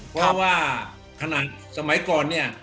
เพราะว่าขนาดสมัยก่อนเนี่ย